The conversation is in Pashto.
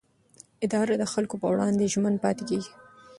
اداره د خلکو پر وړاندې ژمن پاتې کېږي.